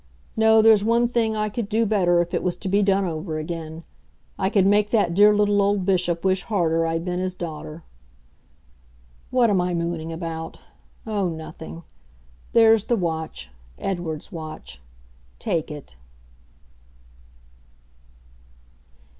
No, there's one thing I could do better if it was to be done over again. I could make that dear little old Bishop wish harder I'd been his daughter. What am I mooning about? Oh nothing. There's the watch Edward's watch. Take it.